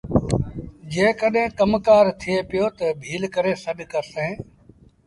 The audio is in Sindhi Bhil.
جيڪڏهين ڪم ڪآر ٿئي پيٚو تا ڀيٚل ڪري سڏ ڪرسيٚݩ